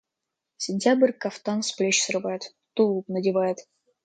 Сентябрь кафтан с плеч срывает, тулуп надевает.